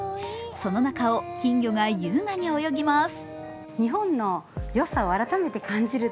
その中を金魚が優雅に泳ぎます。